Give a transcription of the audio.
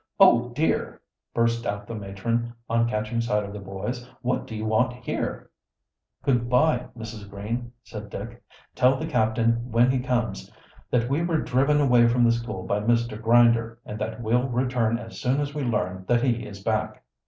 "Oh, dear!" burst out the matron, on catching sight of the boys. "What do you want here?" "Good by, Mrs. Green," said Dick. "Tell the captain when he comes that we were driven away from the school by Mr. Grinder, and that we'll return as soon as we learn that he is back."